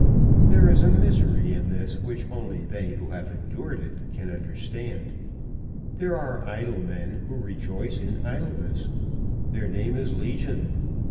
There is a misery in this which only they who have endured it can understand. There are idle men who rejoice in idleness. Their name is legion.